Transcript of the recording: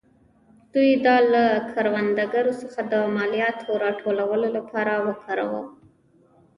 دوی دا له کروندګرو څخه د مالیاتو راټولولو لپاره وکاراوه.